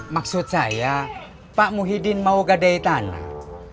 maksud saya pak muhyiddin mau gadai tanah